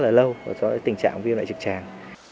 rất là lâu cho tình trạng viêm lại trực tràng